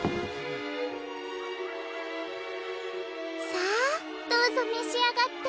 さあどうぞめしあがって。